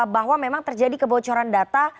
bahwa memang terjadi kebocoran data